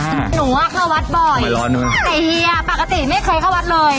หนูอ่ะเข้าวัดบ่อยแต่เฮียปกติไม่เคยเข้าวัดเลย